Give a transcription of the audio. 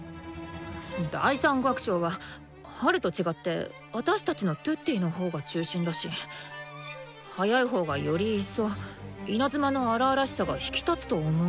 第３楽章は「春」と違ってあたしたちのトゥッティのほうが中心だし速いほうがより一層稲妻の荒々しさが引き立つと思うんだけど。